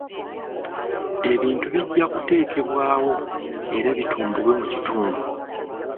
Ebintu bijja kuteekebwawo era bitumbulwe mu kitundu.